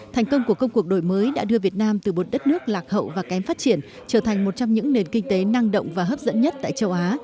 thành công của công cuộc đổi mới đã đưa việt nam từ một đất nước lạc hậu và kém phát triển trở thành một trong những nền kinh tế năng động và hấp dẫn nhất tại châu á